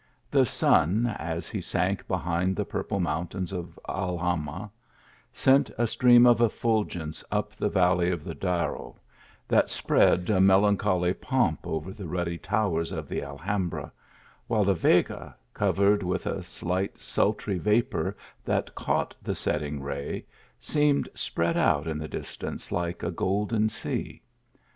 The sun, as he sank behind the purple mountains of Alhama, sent a stream of effulgence up the valley of the Darro, that spread a melancholy pomp over the ruddy towers of the Alhambra, while the Vega, covered with a slight sultry vapour that caught the setting ray, seemed spread out in the distance like a golden sea.